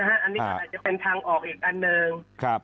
อันนี้ก็อาจจะเป็นทางออกอีกอันหนึ่ง